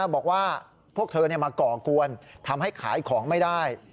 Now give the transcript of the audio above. บอกว่าพวกเธอมาก่อกวนทำให้ขายของไม่ได้